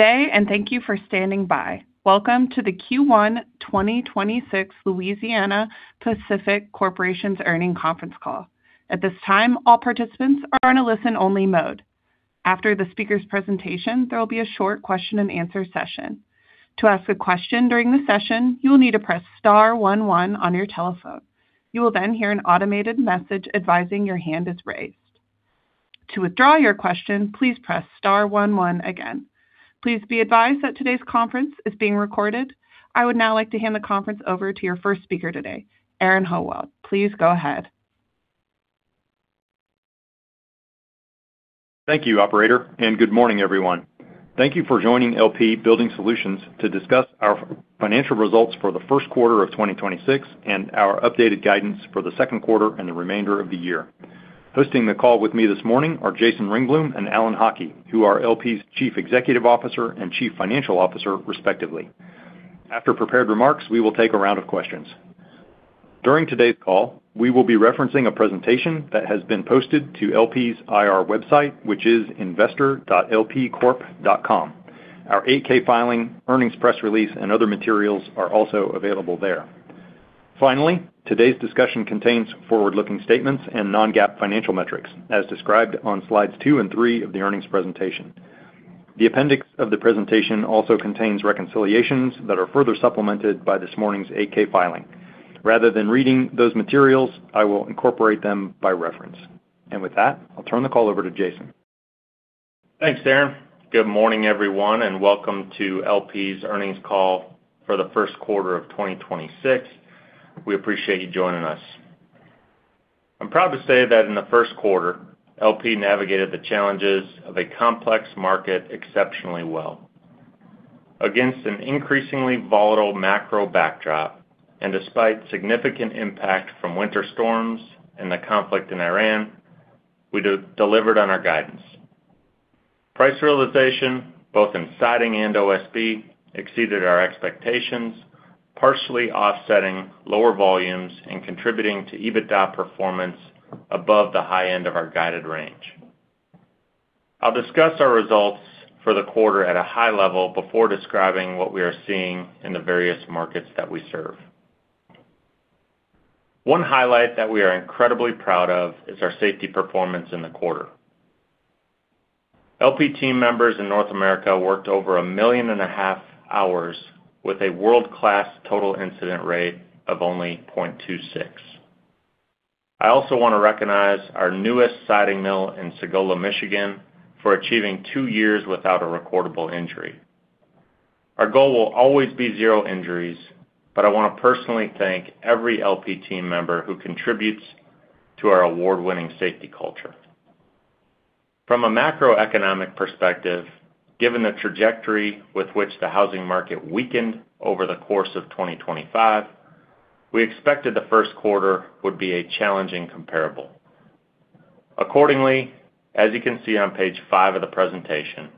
Day, and thank you for standing by. Welcome to the Q1 2026 Louisiana-Pacific Corporation earnings conference call. At this time all participants are on a listen-only mode. After the speaker's presentation, there will be a short Q&A session. To ask a question during the session, you will need to press star one one on your telephone. You will then hear an automated message advising your hand is raised. To withdraw your question, please press star one one again. Please be advised that today's conference is being recorded. I would now like to hand the conference over to your first speaker today, Aaron Howald. Please go ahead. Thank you, operator, and good morning, everyone. Thank you for joining LP Building Solutions to discuss our financial results for the first quarter of 2026 and our updated guidance for the second quarter and the remainder of the year. Hosting the call with me this morning are Jason Ringblom and Alan Haughie, who are LP's Chief Executive Officer and Chief Financial Officer, respectively. After prepared remarks, we will take a round of questions. During today's call, we will be referencing a presentation that has been posted to LP's IR website, which is investor.lpcorp.com. Our 8-K filing, earnings press release, and other materials are also available there. Finally, today's discussion contains forward-looking statements and non-GAAP financial metrics, as described on slides two and three of the earnings presentation. The appendix of the presentation also contains reconciliations that are further supplemented by this morning's 8-K filing. Rather than reading those materials, I will incorporate them by reference. With that, I'll turn the call over to Jason. Thanks, Aaron. Good morning, everyone, and welcome to LP's earnings call for the first quarter of 2026. We appreciate you joining us. I'm proud to say that in the first quarter, LP navigated the challenges of a complex market exceptionally well. Against an increasingly volatile macro backdrop, and despite significant impact from winter storms and the conflict in Iran, we delivered on our guidance. Price realization, both in siding and OSB, exceeded our expectations, partially offsetting lower volumes and contributing to EBITDA performance above the high end of our guided range. I'll discuss our results for the quarter at a high level before describing what we are seeing in the various markets that we serve. One highlight that we are incredibly proud of is our safety performance in the quarter. LP team members in North America worked over 1.5 million hours with a world-class total incident rate of only 0.26. I also want to recognize our newest siding mill in Sagola, Michigan, for achieving two years without a recordable injury. Our goal will always be zero injuries, but I want to personally thank every LP team member who contributes to our award-winning safety culture. From a macroeconomic perspective, given the trajectory with which the housing market weakened over the course of 2025, we expected the first quarter would be a challenging comparable. Accordingly, as you can see on page five of the presentation,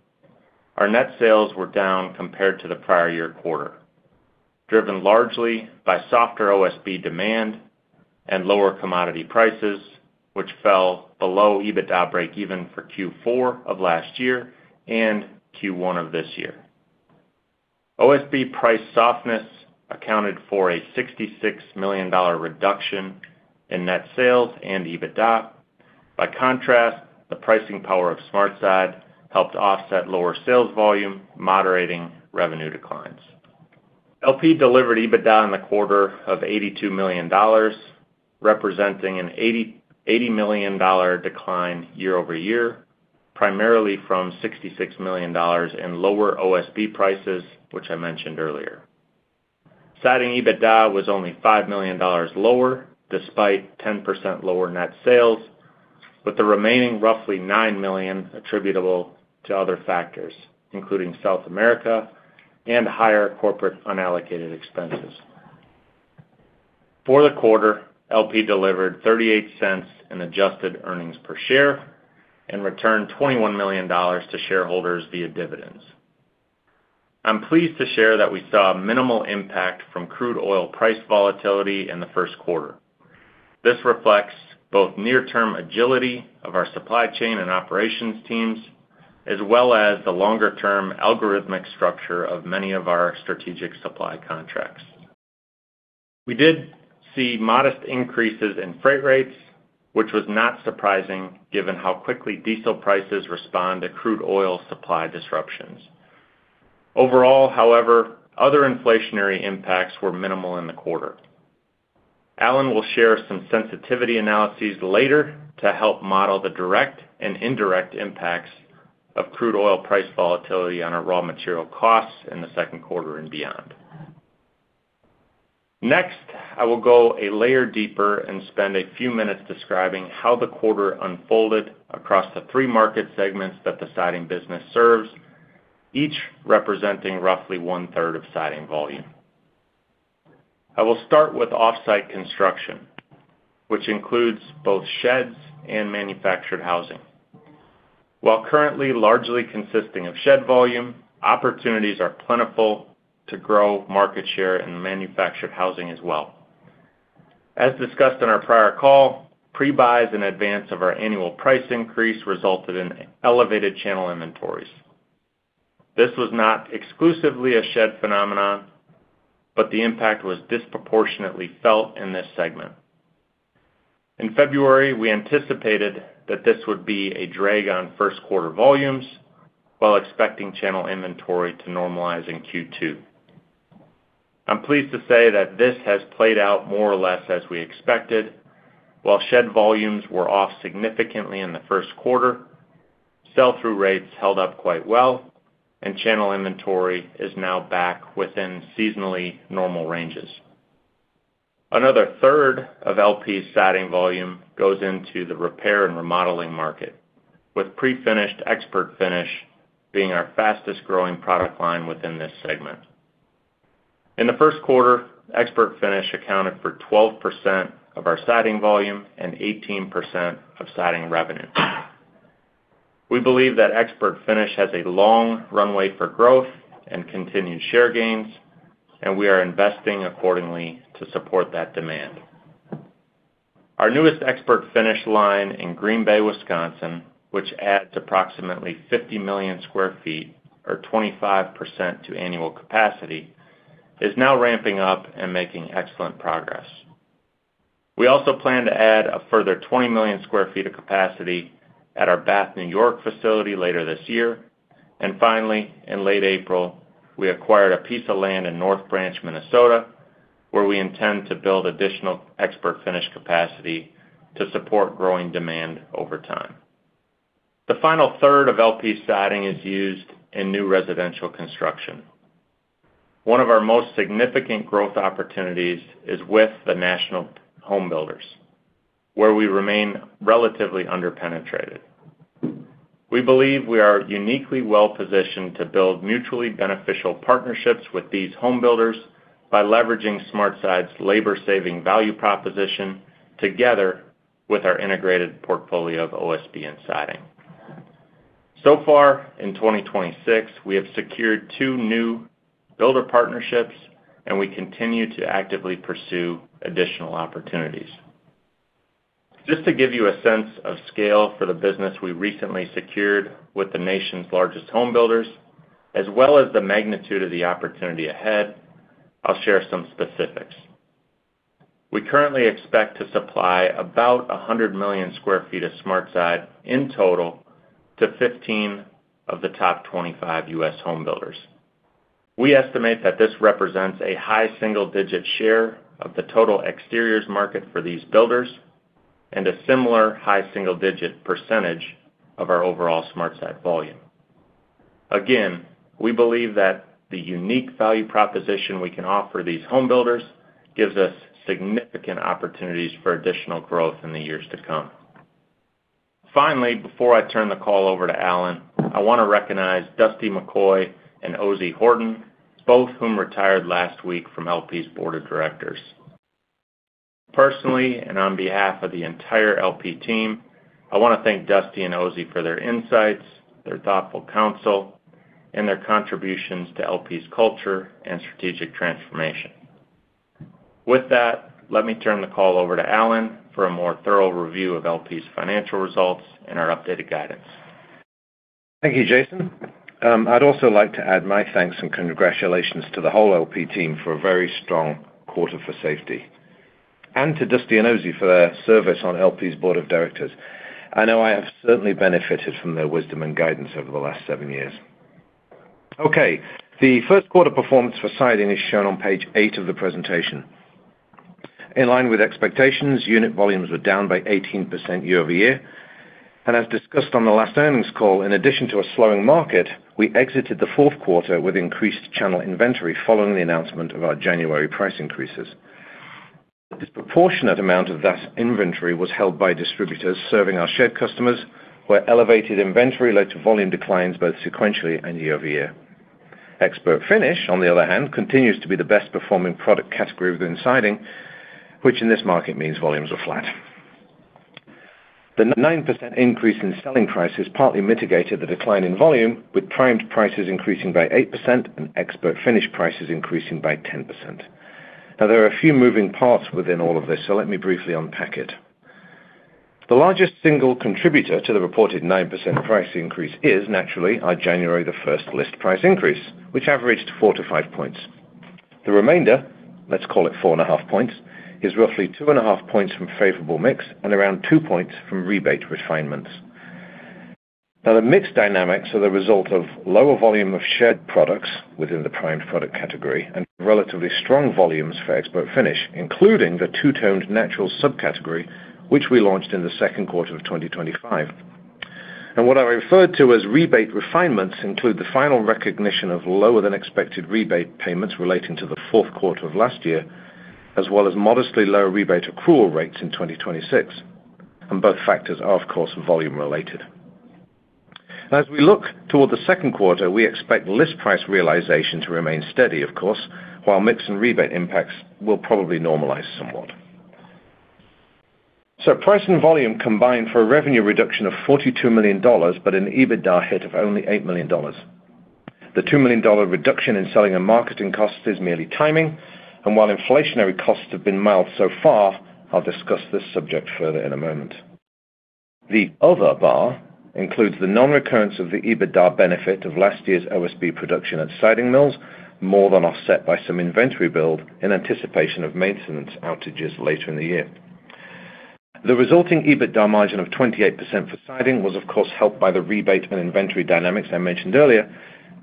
our net sales were down compared to the prior year quarter, driven largely by softer OSB demand and lower commodity prices, which fell below EBITDA break even for Q4 of last year and Q1 of this year. OSB price softness accounted for a $66 million reduction in net sales and EBITDA. The pricing power of SmartSide helped offset lower sales volume, moderating revenue declines. LP delivered EBITDA in the quarter of $82 million, representing an $80 million decline year-over-year, primarily from $66 million in lower OSB prices, which I mentioned earlier. Siding EBITDA was only $5 million lower, despite 10% lower net sales, with the remaining roughly $9 million attributable to other factors, including South America and higher corporate unallocated expenses. For the quarter, LP delivered $0.38 in adjusted earnings per share and returned $21 million to shareholders via dividends. I'm pleased to share that we saw minimal impact from crude oil price volatility in the first quarter. This reflects both near-term agility of our supply chain and operations teams, as well as the longer-term algorithmic structure of many of our strategic supply contracts. We did see modest increases in freight rates, which was not surprising given how quickly diesel prices respond to crude oil supply disruptions. Overall, however, other inflationary impacts were minimal in the quarter. Alan will share some sensitivity analyses later to help model the direct and indirect impacts of crude oil price volatility on our raw material costs in the second quarter and beyond. Next, I will go a layer deeper and spend a few minutes describing how the quarter unfolded across the three market segments that the siding business serves, each representing roughly 1/3 of siding volume. I will start with off-site construction, which includes both sheds and manufactured housing. While currently largely consisting of shed volume, opportunities are plentiful to grow market share in manufactured housing as well. As discussed in our prior call, pre-buys in advance of our annual price increase resulted in elevated channel inventories. This was not exclusively a shed phenomenon, but the impact was disproportionately felt in this segment. In February, we anticipated that this would be a drag on first quarter volumes while expecting channel inventory to normalize in Q2. I'm pleased to say that this has played out more or less as we expected. While shed volumes were off significantly in the first quarter, sell-through rates held up quite well, and channel inventory is now back within seasonally normal ranges. Another third of LP's siding volume goes into the repair and remodeling market, with pre-finished ExpertFinish being our fastest-growing product line within this segment. In the first quarter, ExpertFinish accounted for 12% of our siding volume and 18% of siding revenue. We believe that ExpertFinish has a long runway for growth and continued share gains, and we are investing accordingly to support that demand. Our newest ExpertFinish line in Green Bay, Wisconsin, which adds approximately 50 million sq ft or 25% to annual capacity, is now ramping up and making excellent progress. We also plan to add a further 20 million sq ft of capacity at our Bath, New York facility later this year. Finally, in late April, we acquired a piece of land in North Branch, Minnesota, where we intend to build additional ExpertFinish capacity to support growing demand over time. The final third of LP Siding is used in new residential construction. One of our most significant growth opportunities is with the national home builders, where we remain relatively under-penetrated. We believe we are uniquely well-positioned to build mutually beneficial partnerships with these home builders by leveraging SmartSide's labor-saving value proposition together with our integrated portfolio of OSB and siding. So far in 2026, we have secured two new builder partnerships, and we continue to actively pursue additional opportunities. Just to give you a sense of scale for the business we recently secured with the nation's largest home builders, as well as the magnitude of the opportunity ahead, I'll share some specifics. We currently expect to supply about 100 million sq ft of SmartSide in total to 15 of the top 25 U.S. home builders. We estimate that this represents a high single-digit share of the total exteriors market for these builders and a similar high single-digit percentage of our overall SmartSide volume. We believe that the unique value proposition we can offer these home builders gives us significant opportunities for additional growth in the years to come. Before I turn the call over to Alan, I wanna recognize Dustan McCoy and Ozey K. Horton Jr., both whom retired last week from LP's Board of Directors. On behalf of the entire LP team, I wanna thank Dustan and Ozey for their insights, their thoughtful counsel, and their contributions to LP's culture and strategic transformation. Let me turn the call over to Alan for a more thorough review of LP's financial results and our updated guidance. Thank you, Jason. I'd also like to add my thanks and congratulations to the whole LP team for a very strong quarter for safety, and to Dustan McCoy and Ozey K. Horton Jr. for their service on LP's board of directors. I know I have certainly benefited from their wisdom and guidance over the last seven years. The first quarter performance for siding is shown on page eight of the presentation. In line with expectations, unit volumes were down by 18% year-over-year. As discussed on the last earnings call, in addition to a slowing market, we exited the fourth quarter with increased channel inventory following the announcement of our January price increases. A disproportionate amount of that inventory was held by distributors serving our shed customers, where elevated inventory led to volume declines both sequentially and year-over-year. ExpertFinish, on the other hand, continues to be the best performing product category within siding, which in this market means volumes are flat. The 9% increase in selling prices partly mitigated the decline in volume, with primed prices increasing by 8% and ExpertFinish prices increasing by 10%. Now, there are a few moving parts within all of this, so let me briefly unpack it. The largest single contributor to the reported 9% price increase is naturally our January 1st list price increase, which averaged 4-5 points. The remainder, let's call it 4.5 points, is roughly 2.5 points from favorable mix and around 2 points from rebate refinements. The mix dynamics are the result of lower volume of shed products within the primed product category and relatively strong volumes for ExpertFinish, including the two-toned natural subcategory, which we launched in the second quarter of 2025. What I referred to as rebate refinements include the final recognition of lower than expected rebate payments relating to the fourth quarter of last year, as well as modestly lower rebate accrual rates in 2026, and both factors are, of course, volume related. As we look toward the second quarter, we expect list price realization to remain steady, of course, while mix and rebate impacts will probably normalize somewhat. Price and volume combined for a revenue reduction of $42 million, but an EBITDA hit of only $8 million. The $2 million reduction in selling and marketing costs is merely timing. While inflationary costs have been mild so far, I'll discuss this subject further in a moment. The other bar includes the non-recurrence of the EBITDA benefit of last year's OSB production at Siding Mills, more than offset by some inventory build in anticipation of maintenance outages later in the year. The resulting EBITDA margin of 28% for Siding was of course helped by the rebate and inventory dynamics I mentioned earlier,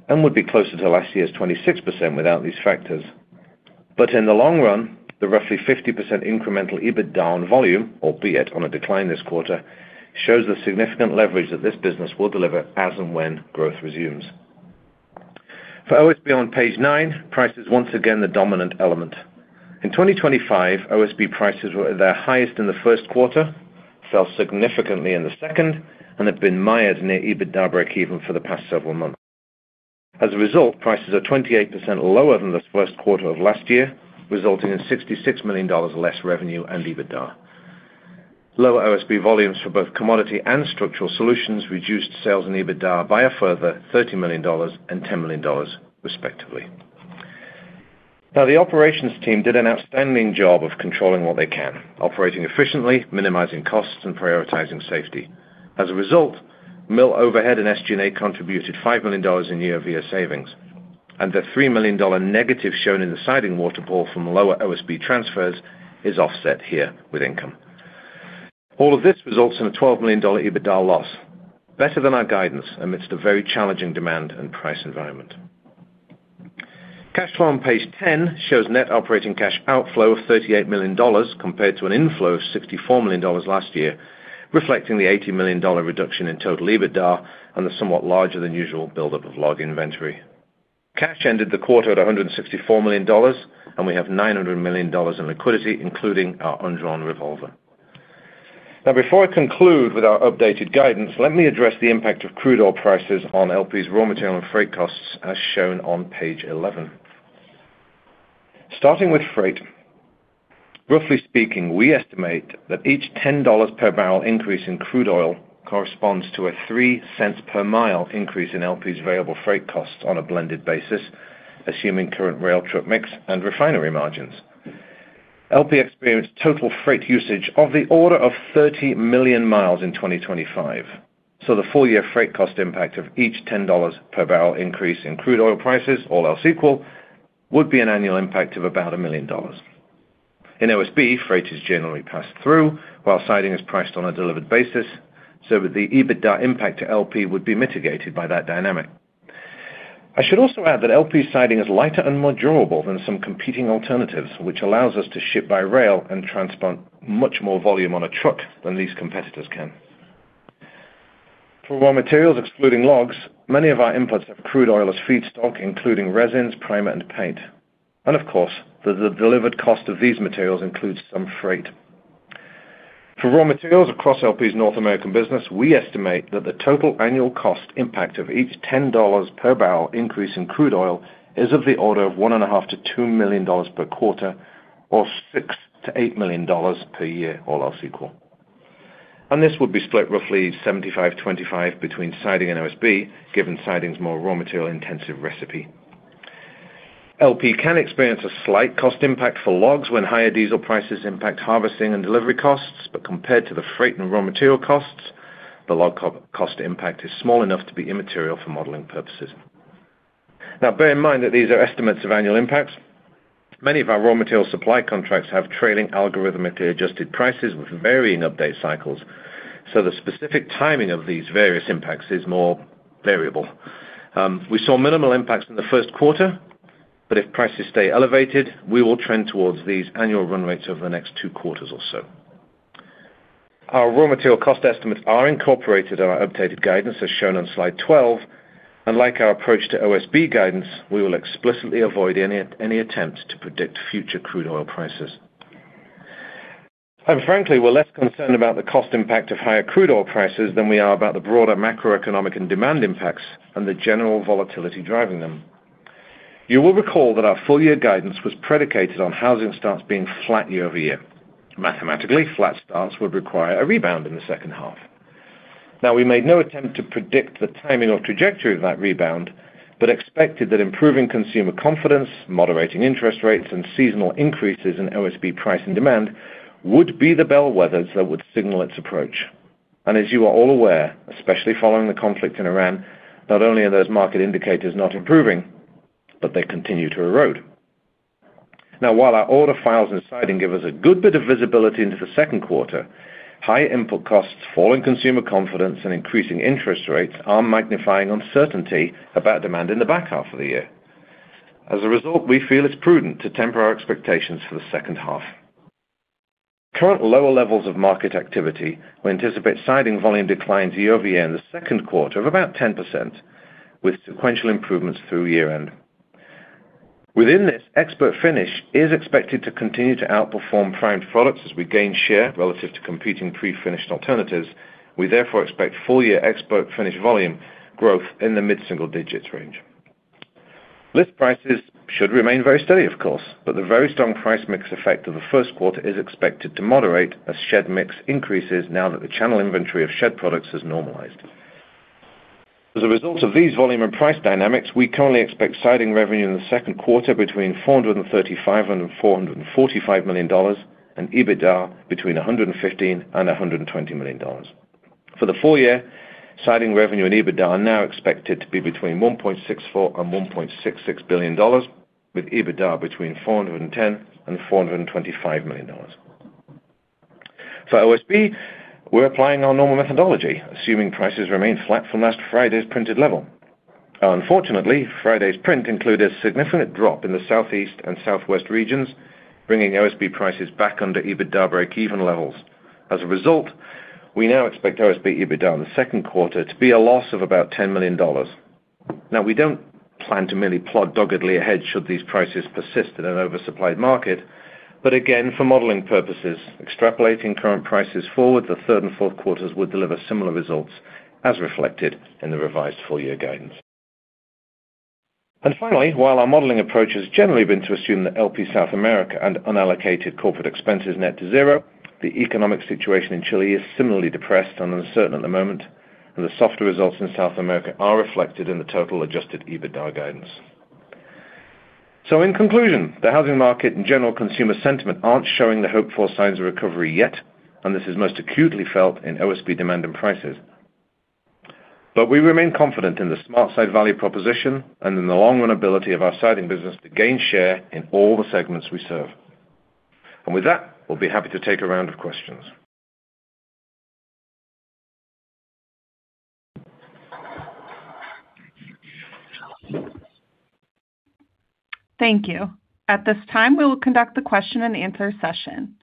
and would be closer to last year's 26% without these factors. In the long run, the roughly 50% incremental EBITDA on volume, albeit on a decline this quarter, shows the significant leverage that this business will deliver as and when growth resumes. For OSB on page nine, price is once again the dominant element. In 2025, OSB prices were at their highest in the first quarter, fell significantly in the second, and have been mired near EBITDA breakeven for the past several months. As a result, prices are 28% lower than the first quarter of last year, resulting in $66 million less revenue and EBITDA. Lower OSB volumes for both commodity and Structural Solutions reduced sales and EBITDA by a further $30 million and $10 million, respectively. Now, the operations team did an outstanding job of controlling what they can, operating efficiently, minimizing costs, and prioritizing safety. As a result, mill overhead and SG&A contributed $5 million in year-over-year savings, and the $3 million negative shown in the siding waterfall from lower OSB transfers is offset here with income. All of this results in a $12 million EBITDA loss, better than our guidance amidst a very challenging demand and price environment. Cash flow on page 10 shows net operating cash outflow of $38 million compared to an inflow of $64 million last year, reflecting the $80 million reduction in total EBITDA and the somewhat larger than usual buildup of log inventory. Cash ended the quarter at $164 million. We have $900 million in liquidity, including our undrawn revolver. Before I conclude with our updated guidance, let me address the impact of crude oil prices on LP's raw material and freight costs as shown on page 11. Starting with freight, roughly speaking, we estimate that each $10 per barrel increase in crude oil corresponds to a $0.03 per mi increase in LP's variable freight costs on a blended basis, assuming current rail-truck mix and refinery margins. LP experienced total freight usage of the order of 30 million mi in 2025. The full-year freight cost impact of each $10 per barrel increase in crude oil prices, all else equal, would be an annual impact of about $1 million. In OSB, freight is generally passed through while siding is priced on a delivered basis, so the EBITDA impact to LP would be mitigated by that dynamic. I should also add that LP's siding is lighter and more durable than some competing alternatives, which allows us to ship by rail and transport much more volume on a truck than these competitors can. For raw materials excluding logs, many of our inputs have crude oil as feedstock, including resins, primer, and paint. Of course, the delivered cost of these materials includes some freight. For raw materials across LP's North American business, we estimate that the total annual cost impact of each $10 per barrel increase in crude oil is of the order of $1.5 million-$2 million per quarter, or $6 million-$8 million per year, all else equal. This would be split roughly 75/25 between siding and OSB, given siding's more raw material-intensive recipe. LP can experience a slight cost impact for logs when higher diesel prices impact harvesting and delivery costs, but compared to the freight and raw material costs, the log cost impact is small enough to be immaterial for modeling purposes. Now bear in mind that these are estimates of annual impacts. Many of our raw material supply contracts have trailing algorithmically adjusted prices with varying update cycles, the specific timing of these various impacts is more variable. We saw minimal impacts in the first quarter, if prices stay elevated, we will trend towards these annual run rates over the next two quarters or so. Our raw material cost estimates are incorporated in our updated guidance, as shown on slide 12. Unlike our approach to OSB guidance, we will explicitly avoid any attempts to predict future crude oil prices. Frankly, we're less concerned about the cost impact of higher crude oil prices than we are about the broader macroeconomic and demand impacts and the general volatility driving them. You will recall that our full year guidance was predicated on housing starts being flat year-over-year. Mathematically, flat starts would require a rebound in the second half. Now, we made no attempt to predict the timing or trajectory of that rebound, but expected that improving consumer confidence, moderating interest rates, and seasonal increases in OSB price and demand would be the bellwethers that would signal its approach. As you are all aware, especially following the conflict in Iran, not only are those market indicators not improving, but they continue to erode. Now, while our order files in siding give us a good bit of visibility into the second quarter, high input costs, falling consumer confidence, and increasing interest rates are magnifying uncertainty about demand in the back half of the year. As a result, we feel it's prudent to temper our expectations for the second half. Current lower levels of market activity, we anticipate siding volume declines year-over-year in the second quarter of about 10% with sequential improvements through year-end. Within this, ExpertFinish is expected to continue to outperform primed products as we gain share relative to competing pre-finished alternatives. We therefore expect full-year ExpertFinish volume growth in the mid-single-digit range. List prices should remain very steady, of course. The very strong price mix effect of the first quarter is expected to moderate as shed mix increases now that the channel inventory of shed products has normalized. As a result of these volume and price dynamics, we currently expect siding revenue in the second quarter between $435 million and $445 million and EBITDA between $115 million and $120 million. For the full year, siding revenue and EBITDA are now expected to be between $1.64 billion-$1.66 billion, with EBITDA between $410 million-$425 million. For OSB, we're applying our normal methodology, assuming prices remain flat from last Friday's printed level. Unfortunately, Friday's print included a significant drop in the Southeast and Southwest regions, bringing OSB prices back under EBITDA breakeven levels. As a result, we now expect OSB EBITDA in the second quarter to be a loss of about $10 million. Now, we don't plan to merely plod doggedly ahead should these prices persist in an oversupplied market, but again, for modeling purposes, extrapolating current prices forward, the third and fourth quarters would deliver similar results as reflected in the revised full-year guidance. Finally, while our modeling approach has generally been to assume that LP South America and unallocated corporate expenses net to zero, the economic situation in Chile is similarly depressed and uncertain at the moment, and the softer results in South America are reflected in the total adjusted EBITDA guidance. In conclusion, the housing market and general consumer sentiment aren't showing the hopeful signs of recovery yet, and this is most acutely felt in OSB demand and prices. We remain confident in the SmartSide value proposition and in the long-run ability of our siding business to gain share in all the segments we serve. With that, we'll be happy to take a round of questions. Thank you. At this time, we will conduct the Q&A session.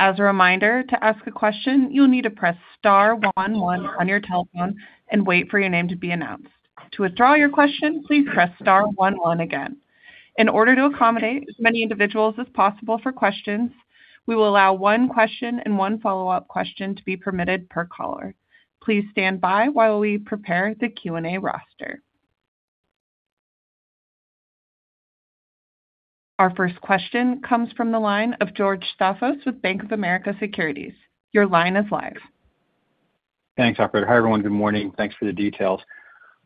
As a reminder, to ask a question, you'll need to press star one one on your telephone and wait for your name to be announced. To withdraw your question, please press star one one again. In order to accommodate as many individuals as possible for questions, we will allow one question and one follow-up question to be permitted per caller. Please stand by while we prepare the Q&A roster. Our first question comes from the line of George Staphos with Bank of America Securities. Your line is live. Thanks, operator. Hi, everyone. Good morning. Thanks for the details.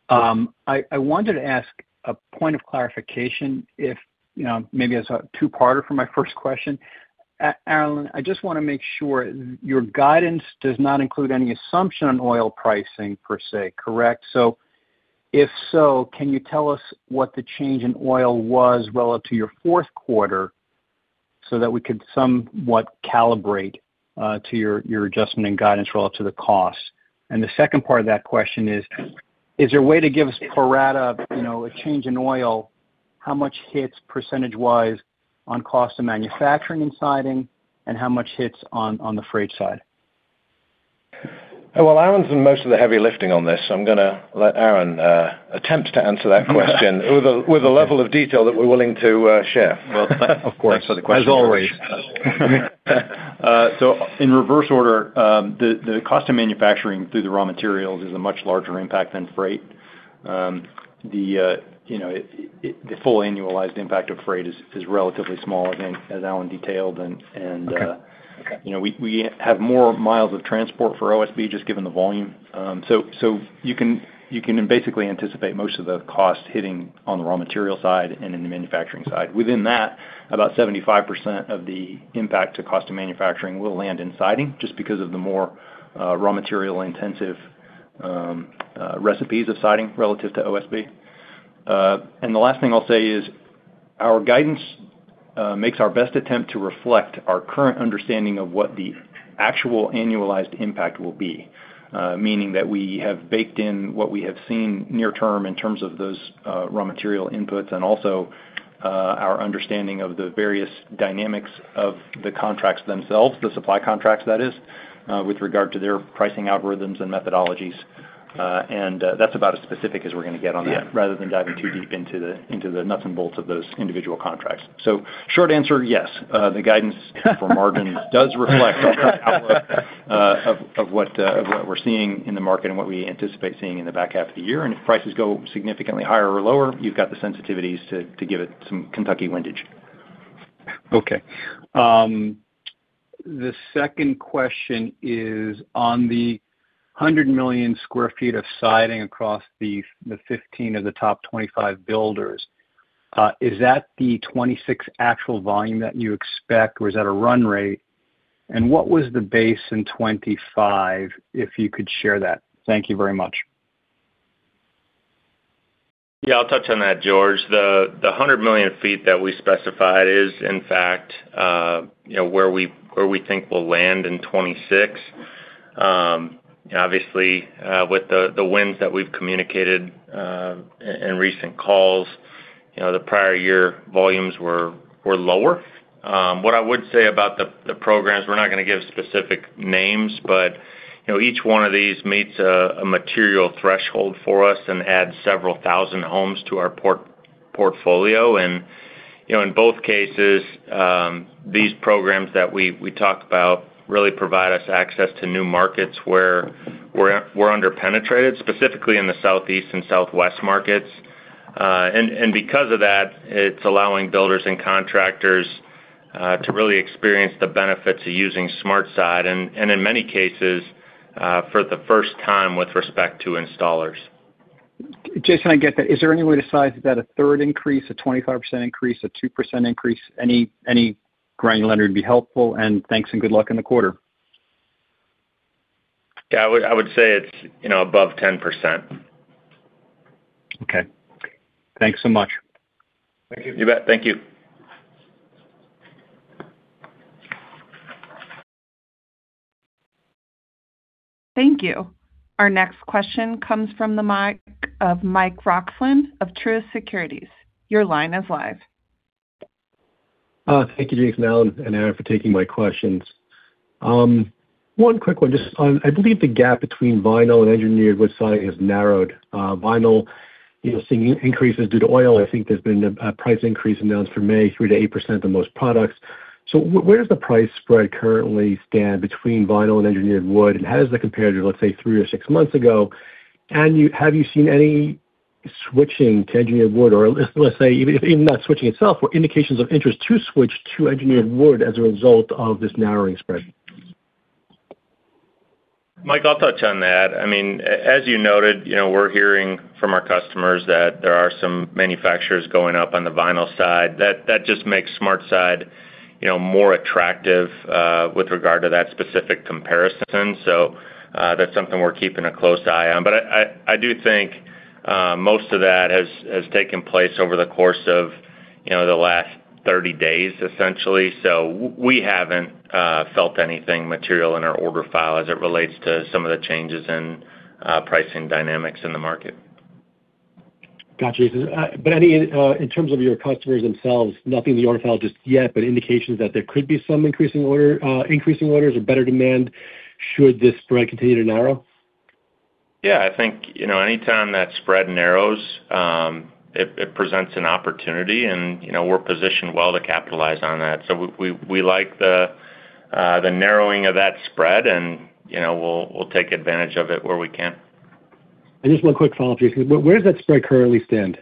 I wanted to ask a point of clarification if, you know, maybe as a two-parter for my first question. Alan, I just wanna make sure your guidance does not include any assumption on oil pricing per se, correct? If so, can you tell us what the change in oil was relative to your fourth quarter so that we could somewhat calibrate to your adjustment and guidance relative to the cost? The second part of that question is there a way to give us pro rata, you know, a change in oil, how much hits percentage-wise on cost of manufacturing and siding and how much hits on the freight side? Alan's done most of the heavy lifting on this, so I'm gonna let Aaron attempt to answer that question with a, with a level of detail that we're willing to share. Well, of course. Thanks for the question, George. As always. In reverse order, the cost of manufacturing through the raw materials is a much larger impact than freight. You know, the full annualized impact of freight is relatively small, again, as Alan detailed. Okay. Okay. You know, we have more miles of transport for OSB just given the volume. You can basically anticipate most of the cost hitting on the raw material side and in the manufacturing side. Within that, about 75% of the impact to cost of manufacturing will land in siding just because of the more raw material-intensive recipes of siding relative to OSB. The last thing I'll say is our guidance makes our best attempt to reflect our current understanding of what the actual annualized impact will be, meaning that we have baked in what we have seen near term in terms of those raw material inputs and also our understanding of the various dynamics of the contracts themselves, the supply contracts that is, with regard to their pricing algorithms and methodologies That's about as specific as we're going to get on that. Yeah. Rather than diving too deep into the nuts and bolts of those individual contracts. Short answer, yes, the guidance for margins does reflect our current outlook of what we're seeing in the market and what we anticipate seeing in the back half of the year. If prices go significantly higher or lower, you've got the sensitivities to give it some Kentucky windage. Okay. The second question is on the 100 million sq ft of siding across the 15 of the top 25 builders. Is that the 2026 actual volume that you expect, or is that a run rate? What was the base in 2025, if you could share that? Thank you very much. Yeah, I'll touch on that, George. The 100 million ft that we specified is in fact, you know, where we think we'll land in 2026. Obviously, with the winds that we've communicated in recent calls, you know, the prior year volumes were lower. What I would say about the programs, we're not gonna give specific names, but, you know, each one of these meets a material threshold for us and adds several thousand homes to our portfolio. You know, in both cases, these programs that we talked about really provide us access to new markets where we're under-penetrated, specifically in the Southeast and Southwest markets. And because of that, it's allowing builders and contractors to really experience the benefits of using SmartSide, and in many cases, for the first time with respect to installers. Jason, I get that. Is there any way to size, is that a third increase, a 25% increase, a 2% increase? Any, any granularity would be helpful, and thanks and good luck in the quarter. Yeah, I would say it's, you know, above 10%. Okay. Thanks so much. Thank you. You bet. Thank you. Thank you. Our next question comes from the mic of Michael Roxland of Truist Securities. Your line is live. Thank you, Jason, Alan and Aaron for taking my questions. One quick one just on, I believe the gap between vinyl and engineered wood siding has narrowed. Vinyl, you know, seeing increases due to oil, I think there's been a price increase announced for May, 3%-8% on most products. Where does the price spread currently stand between vinyl and engineered wood? And how does that compare to, let's say, three or six months ago? Have you seen any switching to engineered wood or let's say, even if not switching itself, were indications of interest to switch to engineered wood as a result of this narrowing spread? Mike, I'll touch on that. I mean, as you noted, you know, we're hearing from our customers that there are some manufacturers going up on the vinyl side. That just makes SmartSide, you know, more attractive with regard to that specific comparison. That's something we're keeping a close eye on. I do think most of that has taken place over the course of, you know, the last 30 days, essentially. We haven't felt anything material in our order file as it relates to some of the changes in pricing dynamics in the market. Got you. Any in terms of your customers themselves, nothing in the order file just yet, but indications that there could be some increasing orders or better demand should this spread continue to narrow? I think, you know, anytime that spread narrows, it presents an opportunity and, you know, we're positioned well to capitalize on that. We like the narrowing of that spread and, you know, we'll take advantage of it where we can. Just one quick follow-up, Jason. Where does that spread currently stand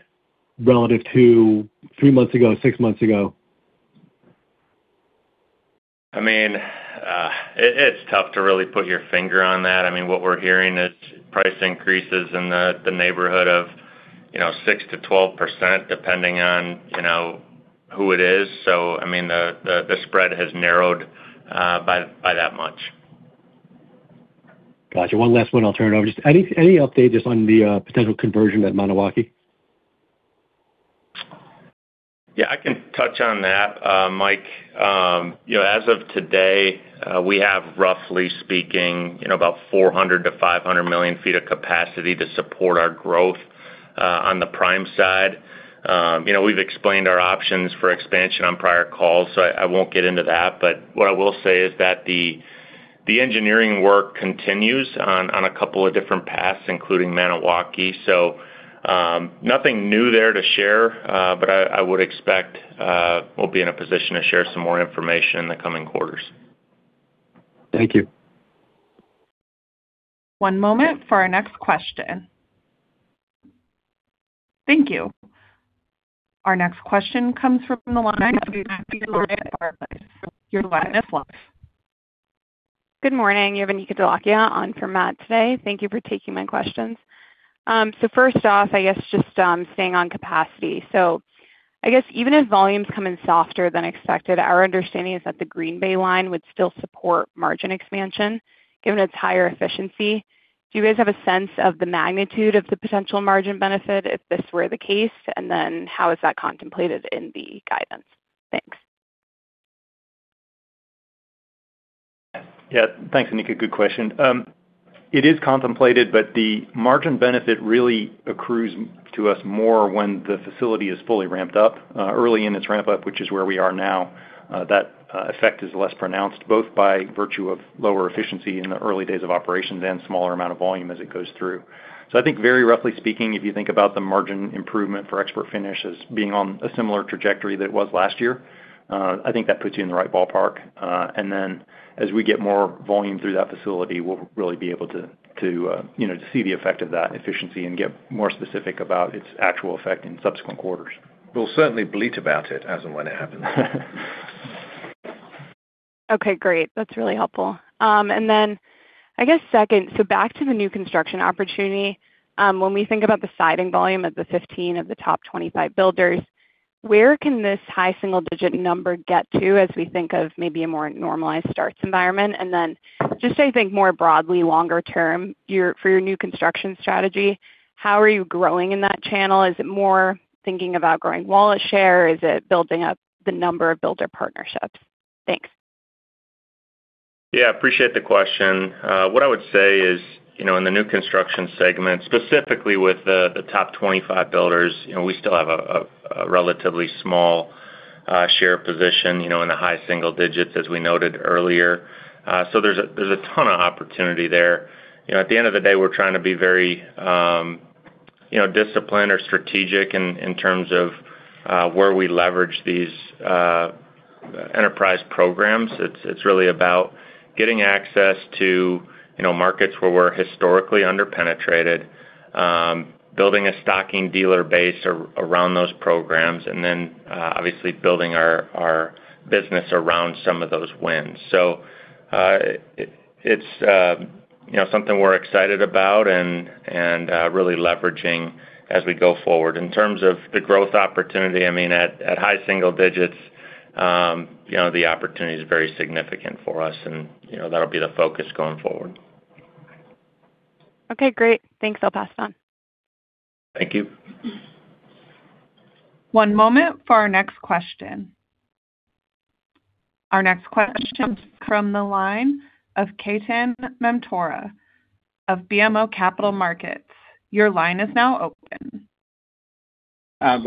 relative to threemonths ago, six months ago? I mean, it's tough to really put your finger on that. I mean, what we're hearing is price increases in the neighborhood of, you know, 6%-12%, depending on, you know, who it is. I mean, the spread has narrowed by that much. Got you. One last one, I'll turn it over. Just any update just on the potential conversion at Maniwaki? Yeah, I can touch on that, Mike. You know, as of today, we have roughly speaking, you know, about 400 million to 500 million ft of capacity to support our growth on the prime side. You know, we've explained our options for expansion on prior calls, I won't get into that. What I will say is that the engineering work continues on a couple of different paths, including Maniwaki. Nothing new there to share, I would expect we'll be in a position to share some more information in the coming quarters. Thank you. One moment for our next question. Thank you. Our next question comes from the line of Anika Dholakia from Barclays. Your line is live. Good morning. You have Anika Dholakia on for Matt today. Thank you for taking my questions. First off, I guess just staying on capacity. I guess even as volumes come in softer than expected, our understanding is that the Green Bay line would still support margin expansion given its higher efficiency. Do you guys have a sense of the magnitude of the potential margin benefit if this were the case? How is that contemplated in the guidance? Thanks. Thanks, Anika. Good question. It is contemplated, but the margin benefit really accrues to us more when the facility is fully ramped up. Early in its ramp up, which is where we are now, that effect is less pronounced, both by virtue of lower efficiency in the early days of operations and smaller amount of volume as it goes through. I think very roughly speaking, if you think about the margin improvement for ExpertFinish as being on a similar trajectory that it was last year, I think that puts you in the right ballpark. As we get more volume through that facility, we'll really be able to, you know, to see the effect of that efficiency and get more specific about its actual effect in subsequent quarters. We'll certainly bleat about it as and when it happens. Okay, great. That's really helpful. I guess second, so back to the new construction opportunity, when we think about the siding volume of the 15 of the top 25 builders, where can this high single-digit number get to as we think of maybe a more normalized starts environment? Just as you think more broadly longer term, for your new construction strategy, how are you growing in that channel? Is it more thinking about growing wallet share? Is it building up the number of builder partnerships? Thanks. Appreciate the question. What I would say is, you know, in the new construction segment, specifically with the top 25 builders, you know, we still have a relatively small share position, you know, in the high single digits, as we noted earlier. There's a ton of opportunity there. You know, at the end of the day, we're trying to be very, you know, disciplined or strategic in terms of where we leverage these enterprise programs, it's really about getting access to, you know, markets where we're historically under-penetrated, building a stocking dealer base around those programs, and then, obviously building our business around some of those wins. It's, you know, something we're excited about and really leveraging as we go forward. In terms of the growth opportunity, I mean, at high single digits, you know, the opportunity is very significant for us and, you know, that'll be the focus going forward. Okay, great. Thanks. I'll pass it on. Thank you. One moment for our next question. Our next question comes from the line of Ketan Mamtora of BMO Capital Markets. Good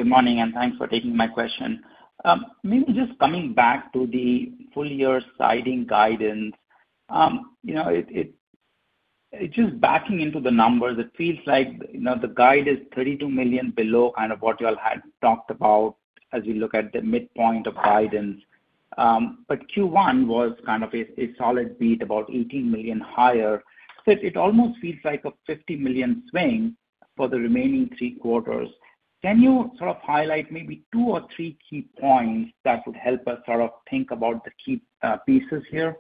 morning, and thanks for taking my question. Maybe just coming back to the full year siding guidance. You know, it's just backing into the numbers. It feels like, you know, the guide is $32 million below kind of what y'all had talked about as we look at the midpoint of guidance. But Q1 was kind of a solid beat, about $18 million higher. It almost feels like a $50 million swing for the remaining three quarters. Can you sort of highlight maybe two or three key points that would help us sort of think about the key pieces here?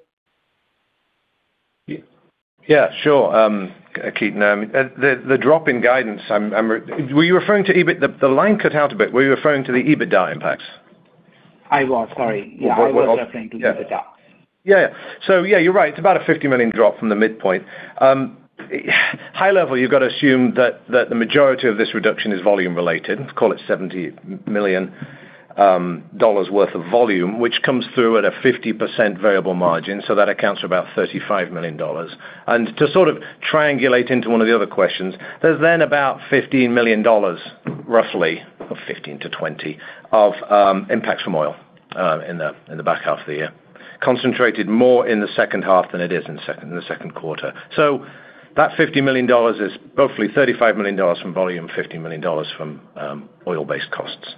Sure. Ketan, the drop in guidance. The line cut out a bit. Were you referring to the EBITDA impacts? I was, sorry. Yeah, I was referring to the EBITDA. Yeah, you're right. It's about a $50 million drop from the midpoint. High level, you've got to assume that the majority of this reduction is volume related, let's call it $70 million worth of volume, which comes through at a 50% variable margin. That accounts for about $35 million. To sort of triangulate into one of the other questions, there's then about $15 million, roughly, or $15-$20, of impacts from oil in the back half of the year. Concentrated more in the second half than it is in the second quarter. That $50 million is roughly $35 million from volume, $15 million from oil-based costs.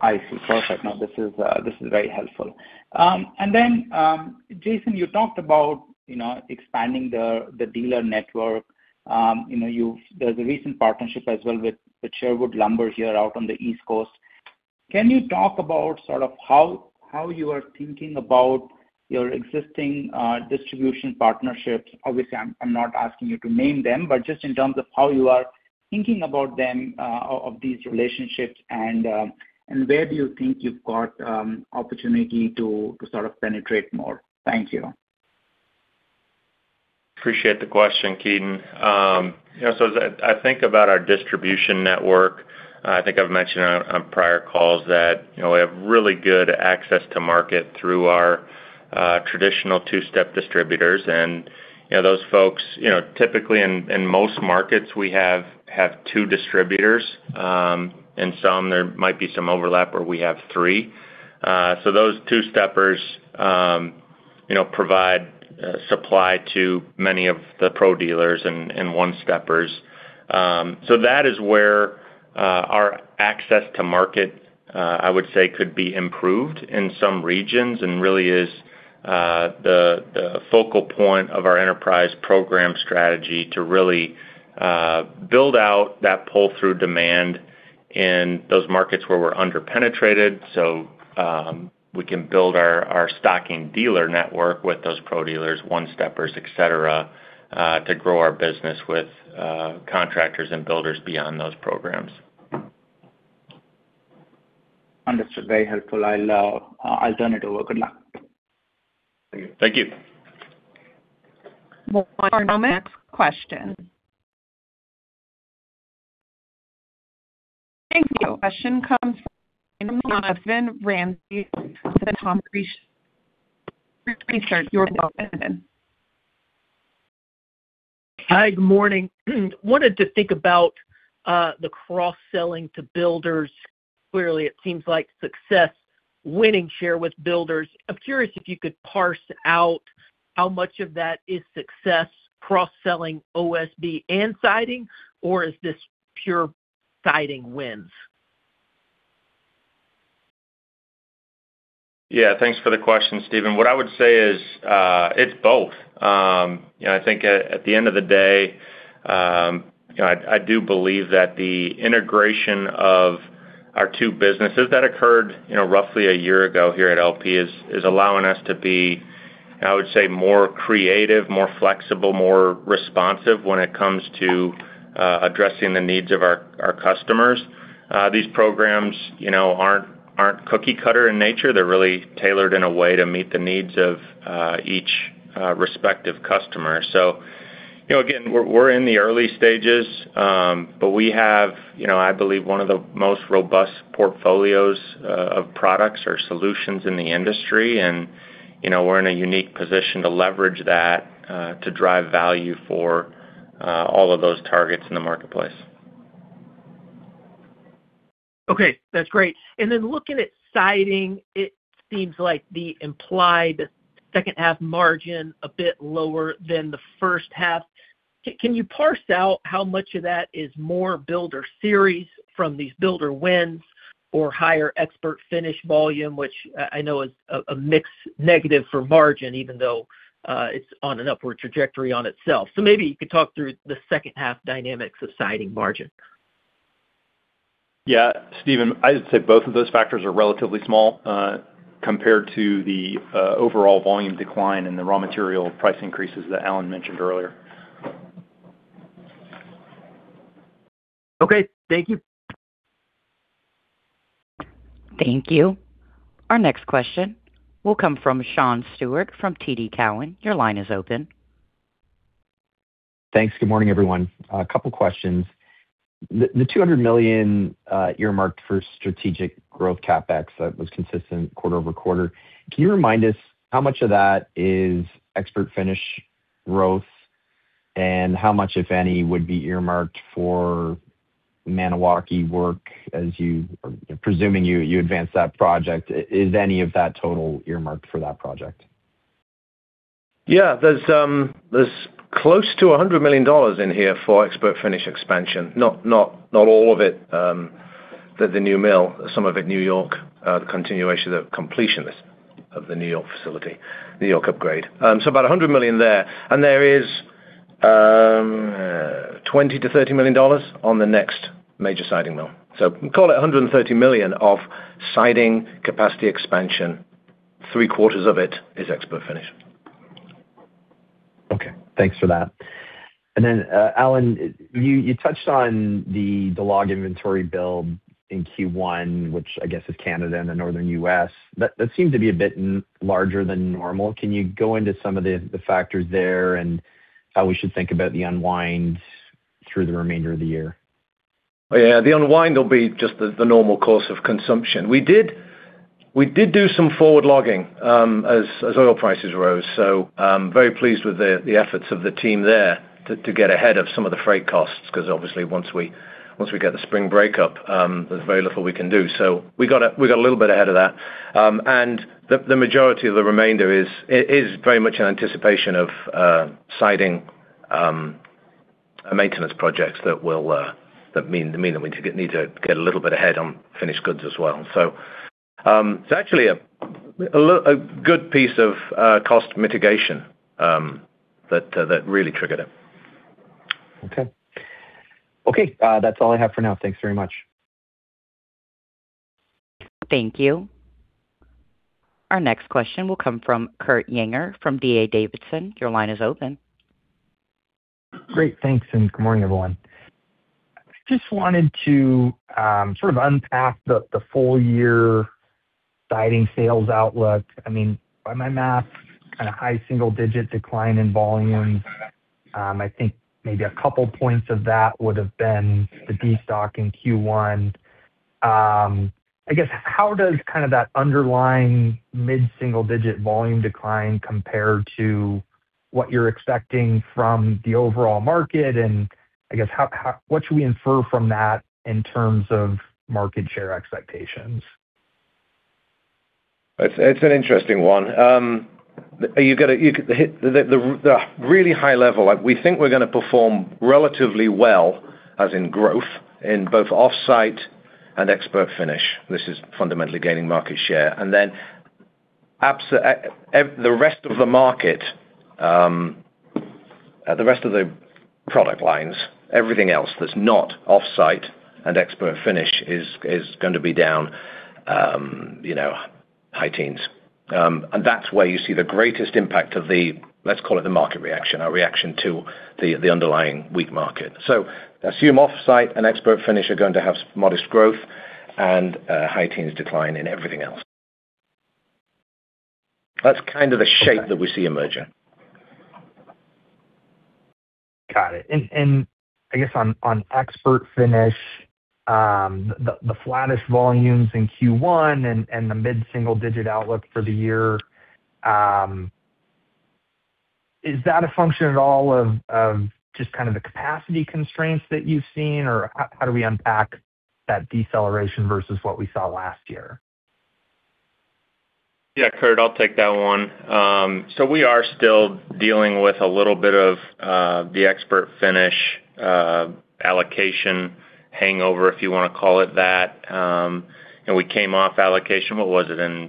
I see. Perfect. No, this is, this is very helpful. Jason, you talked about, you know, expanding the dealer network. There's a recent partnership as well with Sherwood Lumber here out on the East Coast. Can you talk about sort of how you are thinking about your existing distribution partnerships? Obviously, I'm not asking you to name them, but just in terms of how you are thinking about them, of these relationships and where do you think you've got opportunity to sort of penetrate more? Thank you. Appreciate the question, Ketan. You know, as I think about our distribution network, I think I've mentioned on prior calls that, you know, we have really good access to market through our traditional two-step distributors. Those folks, you know, typically in most markets, we have two distributors, in some there might be some overlap where we have three. Those two-steppers, you know, provide supply to many of the pro dealers and one-steppers. That is where our access to market, I would say could be improved in some regions and really is the focal point of our enterprise program strategy to really build out that pull-through demand in those markets where we're under-penetrated, so we can build our stocking dealer network with those pro dealers, one-steppers, et cetera, to grow our business with contractors and builders beyond those programs. Understood. Very helpful. I'll turn it over. Good luck. Thank you. One moment for our next question. Thank you. Your question comes from Steven Ramsey from Thompson Research. Your line is open. Hi. Good morning. Wanted to think about the cross-selling to builders. Clearly, it seems like success winning share with builders. I'm curious if you could parse out how much of that is success cross-selling OSB and siding, or is this pure siding wins? Yeah. Thanks for the question, Steven. What I would say is, it's both. You know, I think at the end of the day, you know, I do believe that the integration of our two businesses that occurred, you know, roughly a year ago here at LP is allowing us to be, I would say, more creative, more flexible, more responsive when it comes to addressing the needs of our customers. These programs, you know, aren't cookie cutter in nature. They're really tailored in a way to meet the needs of each respective customer. You know, again, we're in the early stages, but we have, you know, I believe one of the most robust portfolios of products or solutions in the industry. You know, we're in a unique position to leverage that to drive value for all of those targets in the marketplace. Okay, that's great. Looking at siding, it seems like the implied-Second half margin a bit lower than the first half. Can you parse out how much of that is more BuilderSeries from these builder wins or higher ExpertFinish volume, which I know is a mixed negative for margin, even though it's on an upward trajectory on itself. Maybe you could talk through the second half dynamics of siding margin. Yeah. Steven, I'd say both of those factors are relatively small compared to the overall volume decline and the raw material price increases that Alan mentioned earlier. Okay. Thank you. Thank you. Our next question will come from Sean Steuart from TD Cowen. Your line is open. Thanks. Good morning, everyone. A couple questions. The $200 million earmarked for strategic growth CapEx that was consistent quarter-over-quarter, can you remind us how much of that is ExpertFinish growth, and how much, if any, would be earmarked for Maniwaki work as you or presuming you advance that project, is any of that total earmarked for that project? Yeah. There's close to $100 million in here for ExpertFinish expansion. Not all of it, the new mill. Some of it New York, the continuation, the completion of the New York facility, New York upgrade. About $100 million there. There is $20 million-$30 million on the next major siding mill. Call it $130 million of siding capacity expansion. Three-quarters of it is ExpertFinish. Okay. Thanks for that. Then, Alan, you touched on the log inventory build in Q1, which I guess is Canada and the Northern U.S. That seemed to be a bit larger than normal. Can you go into some of the factors there and how we should think about the unwind through the remainder of the year? Yeah. The unwind will be just the normal course of consumption. We did do some forward logging as oil prices rose. I'm very pleased with the efforts of the team there to get ahead of some of the freight costs, 'cause obviously once we get the spring breakup, there's very little we can do. We got a little bit ahead of that. The majority of the remainder is very much in anticipation of siding maintenance projects that will mean that we need to get a little bit ahead on finished goods as well. It's actually a good piece of cost mitigation that really triggered it. Okay. Okay, that's all I have for now. Thanks very much. Thank you. Our next question will come from Kurt Yinger from D.A. Davidson. Your line is open. Great. Thanks, good morning, everyone. Just wanted to sort of unpack the full year siding sales outlook. I mean, by my math, kind of high single-digit decline in volume. I think maybe 2 points of that would have been the destock in Q1. I guess, how does kind of that underlying mid-single-digit volume decline compare to what you're expecting from the overall market? I guess what should we infer from that in terms of market share expectations? It's an interesting one. We think we're gonna perform relatively well as in growth in both off-site and ExpertFinish. This is fundamentally gaining market share. The rest of the market, the rest of the product lines, everything else that's not off-site and ExpertFinish is gonna be down, you know, high teens. That's where you see the greatest impact of the, let's call it the market reaction or reaction to the underlying weak market. Assume off-site and ExpertFinish are going to have modest growth and a high teens decline in everything else. That's kind of the shape that we see emerging. Got it. I guess on ExpertFinish, the flattest volumes in Q1 and the mid-single digit outlook for the year, is that a function at all of just kind of the capacity constraints that you've seen? How do we unpack that deceleration versus what we saw last year? Yeah, Kurt, I'll take that one. We are still dealing with a little bit of the ExpertFinish allocation hangover, if you wanna call it that. We came off allocation, what was it, in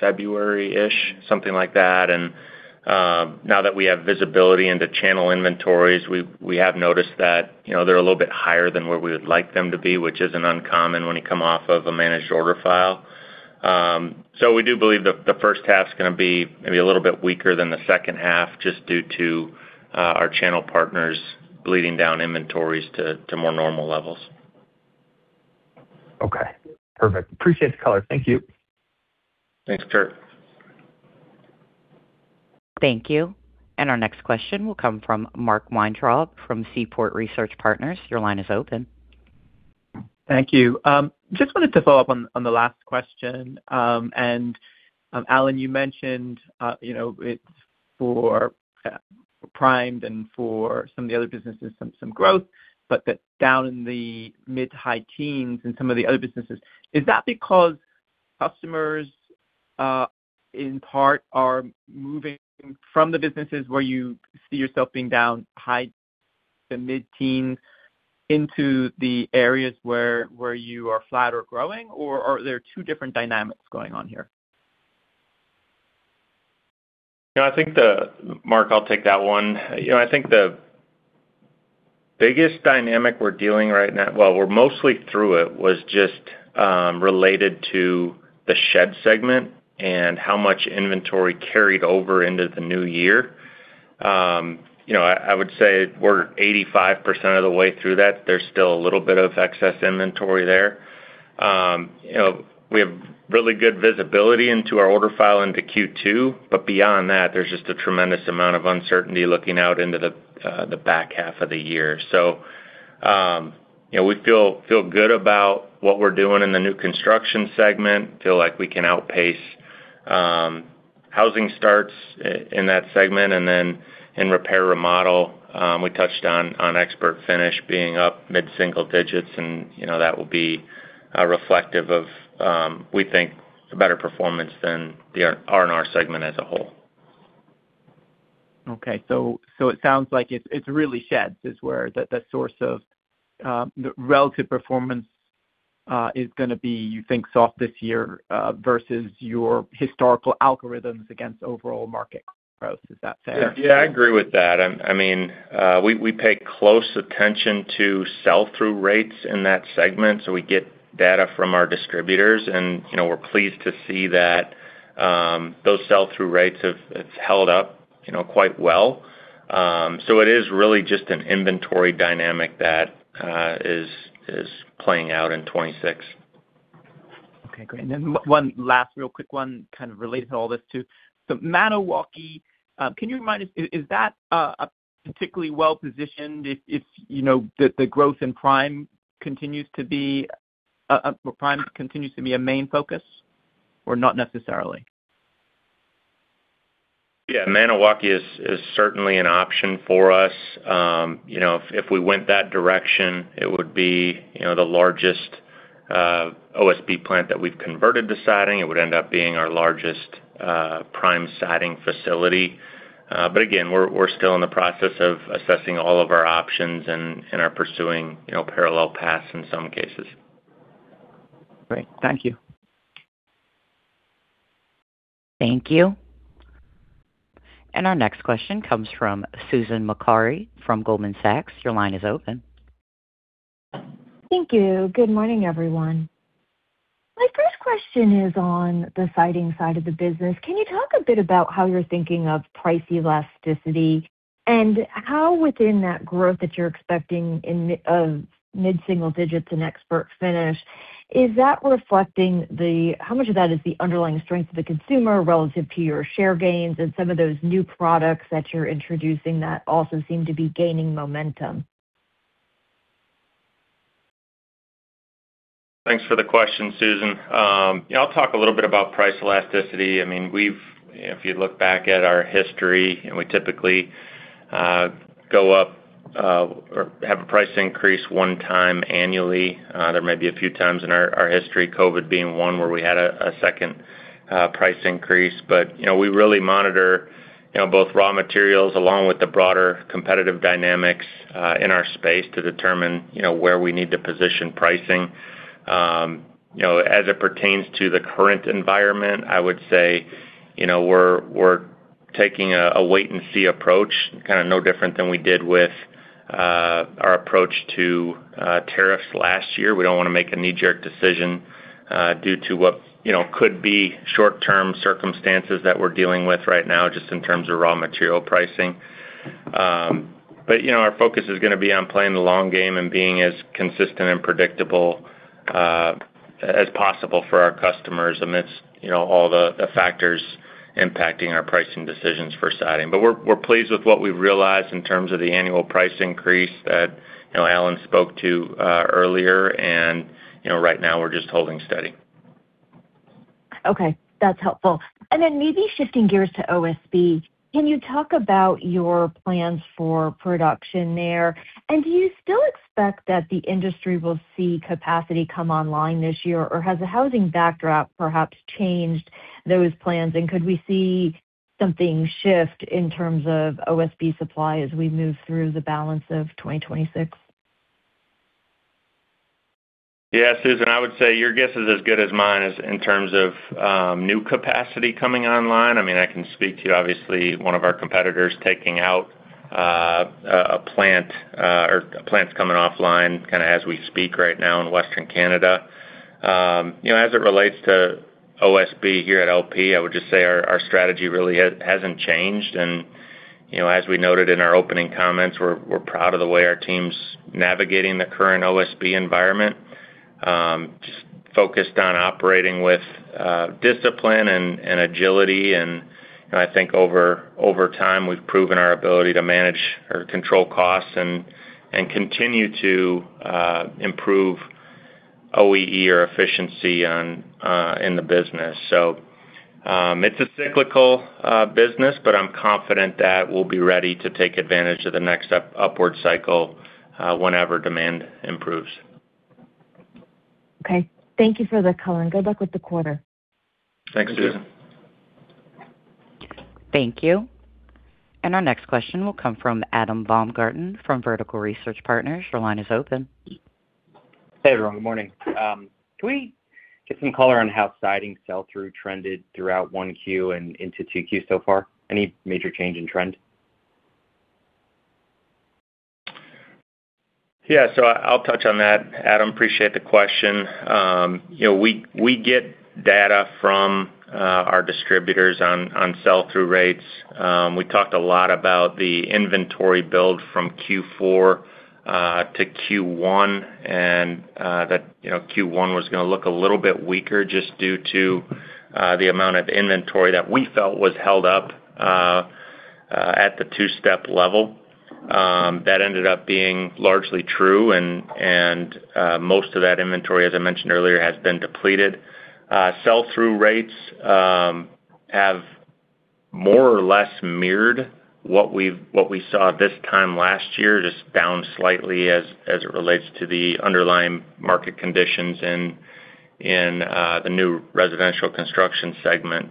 February-ish, something like that. Now that we have visibility into channel inventories, we have noticed that, you know, they're a little bit higher than where we would like them to be, which isn't uncommon when you come off of a managed order file. We do believe the first half's gonna be maybe a little bit weaker than the second half, just due to our channel partners bleeding down inventories to more normal levels. Okay. Perfect. Appreciate the color. Thank you. Thanks, Kurt. Thank you. Our next question will come from Mark Weintraub from Seaport Research Partners. Your line is open. Thank you. Just wanted to follow up on the last question. Alan, you mentioned, you know. Primed for some of the other businesses, some growth, but that's down in the mid-to-high teens in some of the other businesses. Is that because customers, in part are moving from the businesses where you see yourself being down high to mid-teens into the areas where you are flat or growing, or are there two different dynamics going on here? You know, Mark, I'll take that one. You know, I think the biggest dynamic we're dealing right now, well, we're mostly through it, was just related to the shed segment and how much inventory carried over into the new year. You know, I would say we're 85% of the way through that. There's still a little bit of excess inventory there. You know, we have really good visibility into our order file into Q2, but beyond that, there's just a tremendous amount of uncertainty looking out into the back half of the year. You know, we feel good about what we're doing in the new construction segment, feel like we can outpace housing starts in that segment. In repair remodel, we touched on ExpertFinish being up mid-single digits and, you know, that will be reflective of, we think, a better performance than the R&R segment as a whole. Okay. It sounds like it's really sheds is where the source of the relative performance is gonna be, you think, soft this year, versus your historical algorithms against overall market growth. Is that fair? Yeah, yeah, I agree with that. I mean, we pay close attention to sell-through rates in that segment, so we get data from our distributors and, you know, we're pleased to see that it's held up, you know, quite well. It is really just an inventory dynamic that is playing out in 26. Okay, great. One last real quick one kind of related to all this too. Maniwaki, can you remind us, is that particularly well-positioned if, you know, the growth in prime continues to be a main focus, or not necessarily? Yeah. Maniwaki is certainly an option for us. You know, if we went that direction, it would be, you know, the largest OSB plant that we've converted to siding. It would end up being our largest prime siding facility. Again, we're still in the process of assessing all of our options and are pursuing, you know, parallel paths in some cases. Great. Thank you. Thank you. Our next question comes from Susan Maklari from Goldman Sachs. Your line is open. Thank you. Good morning, everyone. My first question is on the siding side of the business. Can you talk a bit about how you're thinking of price elasticity and how within that growth that you're expecting of mid-single digits in ExpertFinish, how much of that is the underlying strength of the consumer relative to your share gains and some of those new products that you're introducing that also seem to be gaining momentum? Thanks for the question, Susan Maklari. Yeah, I'll talk a little bit about price elasticity. I mean, if you look back at our history, and we typically go up or have a price increase one time annually. There may be a few times in our history, COVID being one, where we had a second price increase. You know, we really monitor, you know, both raw materials along with the broader competitive dynamics in our space to determine, you know, where we need to position pricing. You know, as it pertains to the current environment, I would say, you know, we're taking a wait and see approach, kind of no different than we did with our approach to tariffs last year. We don't wanna make a knee-jerk decision, due to what, you know, could be short-term circumstances that we're dealing with right now just in terms of raw material pricing. You know, our focus is gonna be on playing the long game and being as consistent and predictable as possible for our customers amidst, you know, all the factors impacting our pricing decisions for siding. We're pleased with what we've realized in terms of the annual price increase that, you know, Alan spoke to earlier and, you know, right now we're just holding steady. Okay, that's helpful. Maybe shifting gears to OSB. Can you talk about your plans for production there? Do you still expect that the industry will see capacity come online this year, or has the housing backdrop perhaps changed those plans? Could we see something shift in terms of OSB supply as we move through the balance of 2026? Susan, I would say your guess is as good as mine is in terms of new capacity coming online. I mean, I can speak to obviously one of our competitors taking out a plant or plants coming offline kinda as we speak right now in Western Canada. You know, as it relates to OSB here at LP, I would just say our strategy really hasn't changed. You know, as we noted in our opening comments, we're proud of the way our team's navigating the current OSB environment. Just focused on operating with discipline and agility and I think over time, we've proven our ability to manage or control costs and continue to improve OEE or efficiency on in the business. It's a cyclical business, but I'm confident that we'll be ready to take advantage of the next upward cycle whenever demand improves. Okay. Thank you for the color. Good luck with the quarter. Thanks, Susan. Thank you. Our next question will come from Adam Baumgarten from Vertical Research Partners. Your line is open. Hey, everyone. Good morning. Can we get some color on how siding sell-through trended throughout 1Q and into 2Q so far? Any major change in trend? Yeah. I'll touch on that, Adam. Appreciate the question. you know, we get data from our distributors on sell-through rates. We talked a lot about the inventory build from Q4 to Q1 and that, you know, Q1 was gonna look a little bit weaker just due to the amount of inventory that we felt was held up at the two-step level. That ended up being largely true and most of that inventory, as I mentioned earlier, has been depleted. Sell-through rates have more or less mirrored what we saw this time last year, just down slightly as it relates to the underlying market conditions in the new residential construction segment.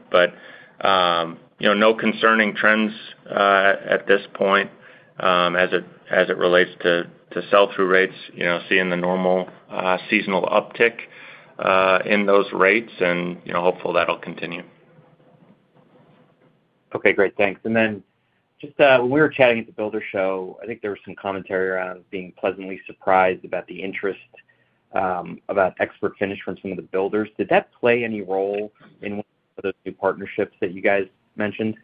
You know, no concerning trends at this point, as it relates to sell-through rates. You know, seeing the normal seasonal uptick in those rates and, you know, hopeful that'll continue. Okay. Great. Thanks. Then just, when we were chatting at the International Builders' Show, I think there was some commentary around being pleasantly surprised about the interest, about LP SmartSide ExpertFinish from some of the builders. Did that play any role in one of those new partnerships that you guys mentioned?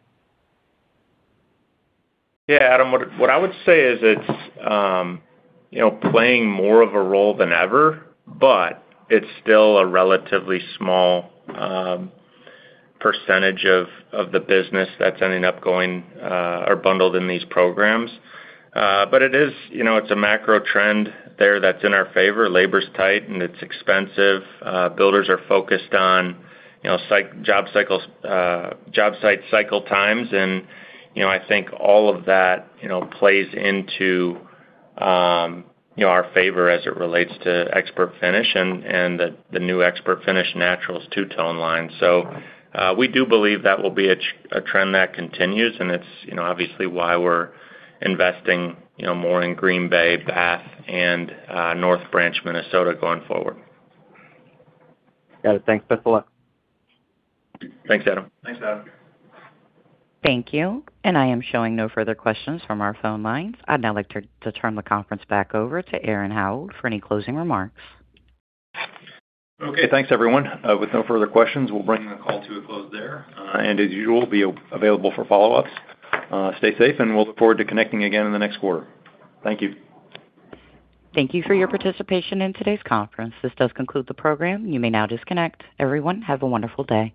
Adam, what I would say is it's, you know, playing more of a role than ever, but it's still a relatively small percentage of the business that's ending up going or bundled in these programs. It is, you know, it's a macro trend there that's in our favor. Labor's tight, and it's expensive. Builders are focused on, you know, job cycles, job site cycle times and, you know, I think all of that, you know, plays into our favor as it relates to ExpertFinish and the new ExpertFinish Naturals Collection. We do believe that will be a trend that continues, and it's, you know, obviously why we're investing, you know, more in Green Bay, Bath, and North Branch, Minnesota, going forward. Got it. Thanks. Best of luck. Thanks, Adam. Thanks, Adam. Thank you. I am showing no further questions from our phone lines. I'd now like to turn the conference back over to Aaron Howald for any closing remarks. Okay. Thanks, everyone. With no further questions, we'll bring the call to a close there. As usual, be available for follow-ups. Stay safe. We'll look forward to connecting again in the next quarter. Thank you. Thank you for your participation in today's conference. This does conclude the program. You may now disconnect. Everyone, have a wonderful day.